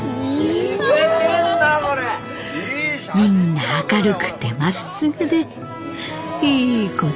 みんな明るくてまっすぐでいい子たちです。